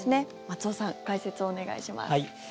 松尾さん、解説をお願いします。